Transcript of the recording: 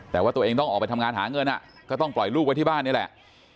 แต่ว่าตัวเองต้องออกไปทำงานหาเงินก็ต้องปล่อยลูกไว้ที่บ้านนี่แหละ